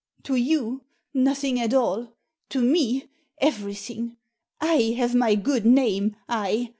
"To you — nothing at all To me — everything. I have my good name — I